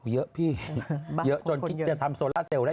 เยอะพี่เยอะจนคิดจะทำโซล่าเซลลได้